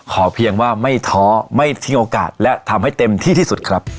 เพียงว่าไม่ท้อไม่ทิ้งโอกาสและทำให้เต็มที่ที่สุดครับ